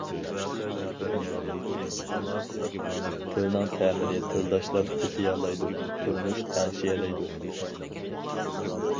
تىلنىڭ تەمىنى تىلداشلار تېتىيالايدۇ، تۇرمۇش تەڭشىيەلەيدۇ.